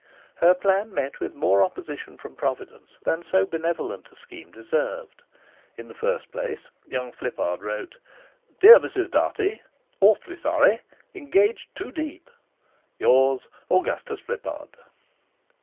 Her plan met with more opposition from Providence than so benevolent a scheme deserved. In the first place young Flippard wrote: "DEAR MRS. DARTIE, "Awfully sorry. Engaged two deep. "Yours, "AUGUSTUS FLIPPARD."